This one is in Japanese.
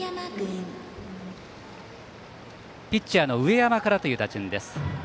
ピッチャーの上山からという打順です。